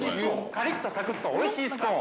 カリッとサクッとおいしいスコーン。